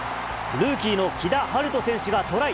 ルーキーの木田晴斗選手がトライ。